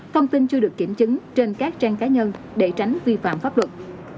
thông tin chưa được kiểm chứng trên các trang cá nhân để tránh vi phạm pháp luật